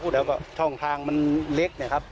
แล้วก็ช่องทางมันเล็กเนี่ยครับ